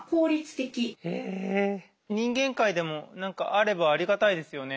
人間界でも何かあればありがたいですよね。